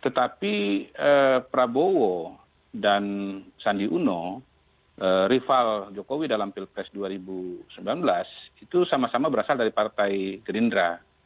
tetapi prabowo dan sandi uno rival jokowi dalam pilpres dua ribu sembilan belas itu sama sama berasal dari partai gerindra